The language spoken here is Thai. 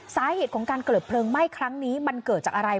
สาเหตุของการเกิดเพลิงไหม้ครั้งนี้มันเกิดจากอะไร